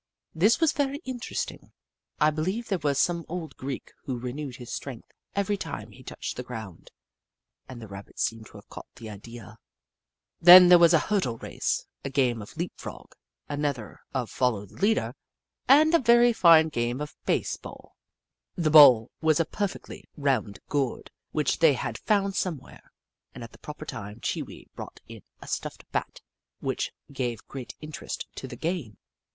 This was very interesting. I beheve there was some old Greek who renewed his strength every time he touched the ground, and the Rabbits seem to have caught the idea. Then there was a hurdle race, a game of Leap Frog, another of Follow the Leader, and a very fine game of Base Ball. The ball was a perfectly round gourd which they had found somewhere, and at the proper time Chee Wee brought in a stuffed Bat, which gave great interest to the game.